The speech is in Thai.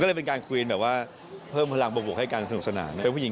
เขาสบายครับโอเคเปล่าอะไรอย่างนี้